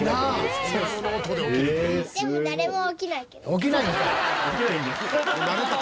起きないんか！